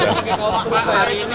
pak hari ini